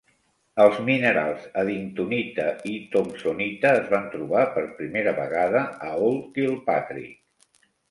Els minerals edingtonita i thomsonita es van trobar per primera vegada a Old Kilpatrick.